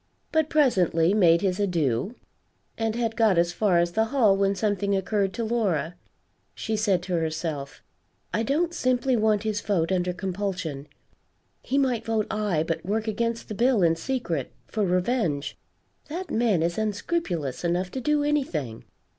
But presently made his adieux, and had got as far as the hall, when something occurred to Laura. She said to herself, "I don't simply want his vote under compulsion he might vote aye, but work against the bill in secret, for revenge; that man is unscrupulous enough to do anything.